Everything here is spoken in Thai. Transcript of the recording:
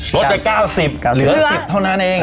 ลดไป๙๐เหลือ๑๐เท่านั้นเอง